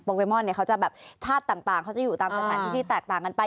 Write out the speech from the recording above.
เกมอนเนี่ยเขาจะแบบธาตุต่างเขาจะอยู่ตามสถานที่ที่แตกต่างกันไป